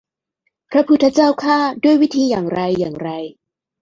พระพุทธเจ้าข้า ด้วยวิธีอย่างไรอย่างไร